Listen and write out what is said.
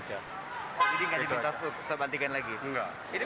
jadi nggak diminta swab antigen lagi